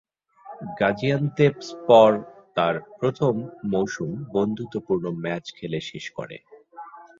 গাজিয়ান্তেপস্পর তার প্রথম মৌসুম বন্ধুত্বপূর্ণ ম্যাচ খেলে শেষ করে।